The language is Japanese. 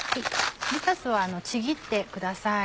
レタスはちぎってください。